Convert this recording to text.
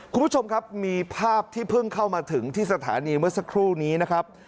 คุณผู้ชมครับมีภาพที่เพิ่งเข้ามาถึงที่สถานีเมื่อสักครู่นี้นะครับ